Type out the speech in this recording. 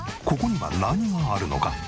ここには何があるのか？